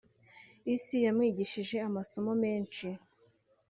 Isi yamwigishije amasomo menshi